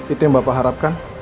itu yang bapak harapkan